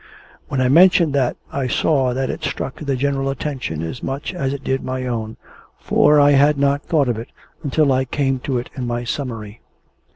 When I mentioned that, I saw that it struck the general attention as much as it did my own, for I had not thought of it until I came to it in my summary.